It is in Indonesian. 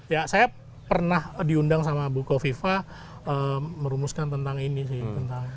ya saya pernah diundang sama bu kofifa merumuskan tentang ini sih